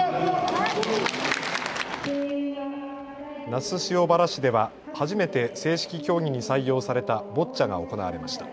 那須塩原市では初めて正式競技に採用されたボッチャが行われました。